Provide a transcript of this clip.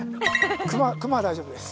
熊は大丈夫です。